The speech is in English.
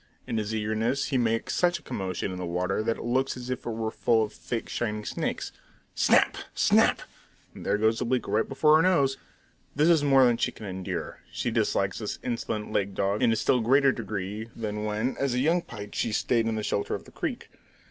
In his eagerness he makes such a commotion in the water that it looks as if it were full of thick, shining snakes. Snap! Snap! There goes a bleak right before her nose! This is more than she can endure! She dislikes this insolent lake dog in a still greater degree than when, as a young pike, she stayed in the shelter of the creek.